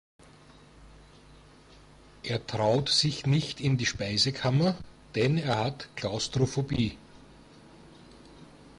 Er traut sich nicht in die Speisekammer, denn er hat Klaustrophobie.